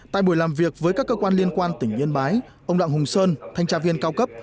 tại buổi làm việc với các cơ quan liên quan tỉnh yên bái ông đặng hùng sơn thanh tra viên cao cấp